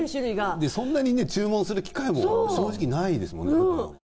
そんなに注文する機会も正直ないですもんね。